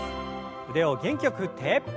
腕を元気よく振って。